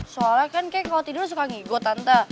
soalnya kan kay kalau tidur suka ngigo tante